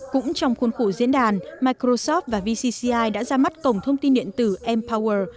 cũng trong khuôn khủ diễn đàn microsoft và vcci đã ra mắt cổng thông tin điện tử empower